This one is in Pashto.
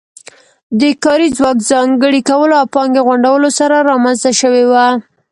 د کاري ځواک ځانګړي کولو او پانګې غونډولو سره رامنځته شوې وه